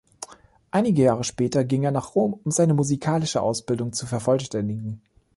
Einige Jahre später ging er nach Rom, um seine musikalische Ausbildung zu vervollständigen.